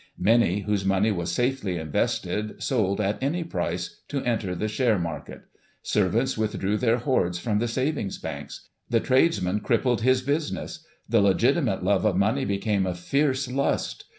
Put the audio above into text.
Many, whose money was safely invested, sold at any price, to enter the share market Servants withdrew their hoards from the savings banks. The tradesman crippled his business. The legitimate love of money became a fierce lust.